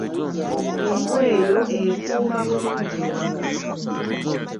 Embwa eyo ekuuma bulungi ewaka.